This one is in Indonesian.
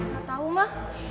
gak tau mah